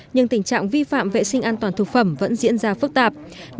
nhưng tình trạng vi phạm vệ sinh an toàn thực phẩm vẫn diễn ra phức tạp